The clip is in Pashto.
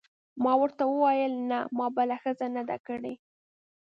ما ورته وویل: نه، ما بله ښځه نه ده کړې.